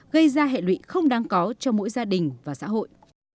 gây ra hệ lụy không đáng có cho mỗi gia đình và xã hội